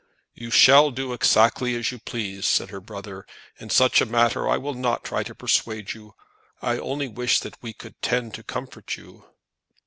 "You shall do exactly as you please," said her brother. "In such a matter I will not try to persuade you. I only wish that we could tend to comfort you."